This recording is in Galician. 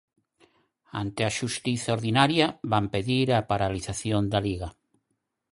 Ante a xustiza ordinaria van pedir a paralización da Liga.